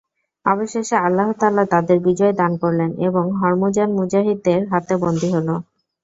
অবশেষে আল্লাহ তাআলা তাদের বিজয় দান করলেন এবং হরমুজান মুজাহিদদের হাতে বন্দী হল।